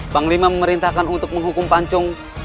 bang lima memerintahkan untuk menghukum pancung